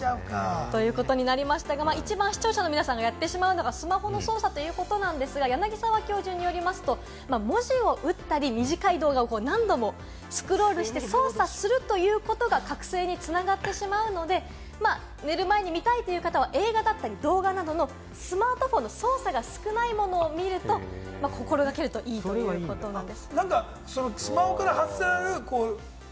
一番視聴者の皆さんがやってしまうのがスマホの操作ということですが、柳沢教授によりますと、文字を打ったり、短い動画を何度もスクロールしたり、操作するということが覚醒に繋がってしまうので、寝る前に見たいという方は、映画だったり、動画などのスマートフォンの操作が少ないものを見るということを心掛けるといいということです。